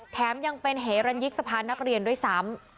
แถมยังเป็นเหรันยิกสะพานนักเรียนด้วยซ้ำ